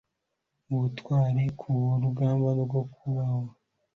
ubutwari ku rugamba rwo kubohora